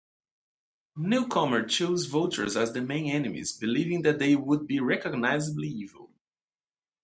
Newcomer chose vultures as the main enemies, believing that they would be recognizably evil.